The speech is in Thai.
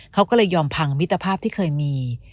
เขาก็เลยยอมพังมิตรภาพที่เคยมี